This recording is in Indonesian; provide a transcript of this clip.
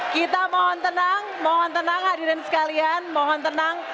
kita mohon tenang mohon tenang hadirin sekalian mohon tenang